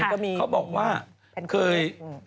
เขาบอกว่าเคย